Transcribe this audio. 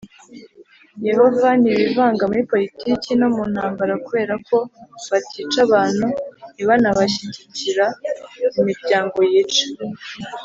Yehova ntibivanga muri poritiki no mu ntambara Kubera ko batica abantu ntibanashyigikira imiryango yica